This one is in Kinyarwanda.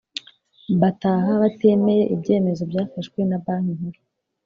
Bataha batemeye ibyemezo byafashwe na Banki Nkuru